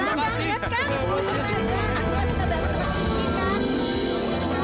bapak hebat deh